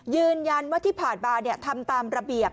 ยืนยันว่าที่ผ่านมาทำตามระเบียบ